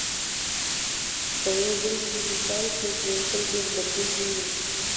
په یو بل مثال کې د خلکو غبرګون وینو.